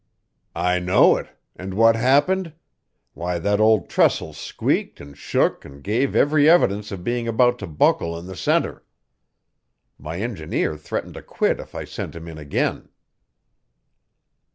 "I know it. And what happened? Why, that old trestle squeaked and shook and gave every evidence of being about to buckle in the centre. My engineer threatened to quit if I sent him in again."